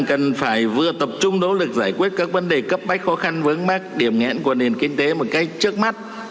cần phải vừa tập trung đỗ lực giải quyết các vấn đề cấp bách khó khăn vướng mắt điểm nghẽn của nền kinh tế một cách trước mắt